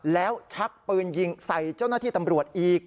แล้วชักปืนยิงใส่เจ้าหน้าที่ตำรวจอีก